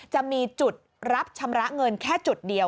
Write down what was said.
จะมีจุดรับชำระเงินแค่จุดเดียว